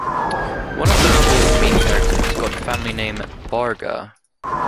One of the novel's main characters got the family name "Barga".